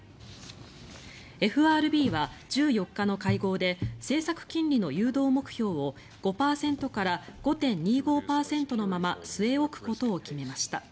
ＦＲＢは１４日の会合で政策金利の誘導目標を５％から５．２５％のまま据え置くことを決めました。